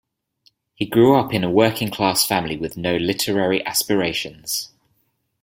He grew up in a working-class family with no literary aspirations.